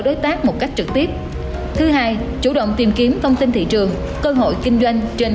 đối tác một cách trực tiếp thứ hai chủ động tìm kiếm thông tin thị trường cơ hội kinh doanh trên